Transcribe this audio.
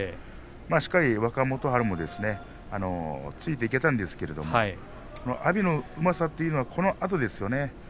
しっかり若元春もついていけたんですが阿炎のうまさというのはこのあとですよね。